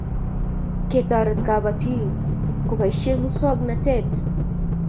Ketoret kapatik kupoishe musongnotet